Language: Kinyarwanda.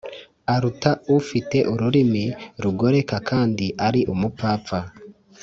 aruta ufite ururimi rugoreka kandi ari umupfapfa